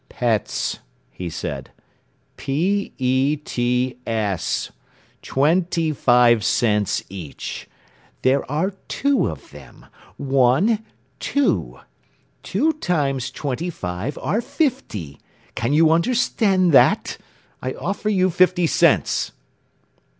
“Pets,” he said “P e t s! Twenty five cents each. There are two of them. One! Two! Two times twenty five are fifty! Can you understand that? I offer you fifty cents.